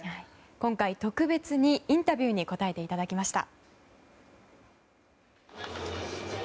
今回、特別にインタビューに答えていただきました。